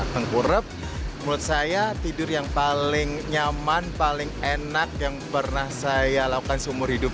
tengkurep menurut saya tidur yang paling nyaman paling enak yang pernah saya lakukan seumur hidup